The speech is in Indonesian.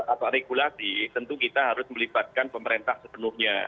atau regulasi tentu kita harus melibatkan pemerintah sepenuhnya